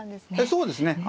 そうですね。